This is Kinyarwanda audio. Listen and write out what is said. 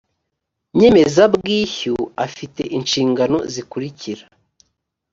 nyemezabwishyu afite inshingano zikurikira